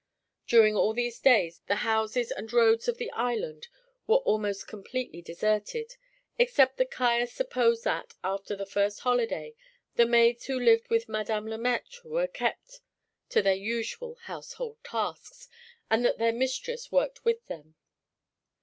During all these days the houses and roads of the island were almost completely deserted, except that Caius supposed that, after the first holiday, the maids who lived with Madame Le Maître were kept to their usual household tasks, and that their mistress worked with them.